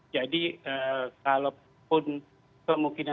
jadi kalau pun